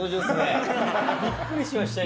びっくりしましたよ